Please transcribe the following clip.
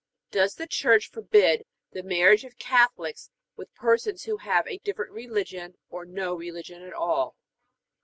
Does the Church forbid the marriage of Catholics with persons who have a different religion or no religion at all?